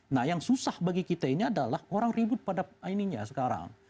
nah yang susah bagi kita ini adalah orang ribut pada ininya sekarang